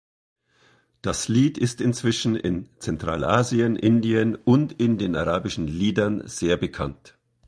Das Lied ist inzwischen in Zentralasien, Indien und in den arabischen Liedern sehr bekannt.